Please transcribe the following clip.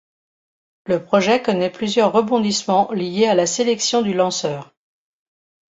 Le projet connait plusieurs rebondissements liés à la sélection du lanceur.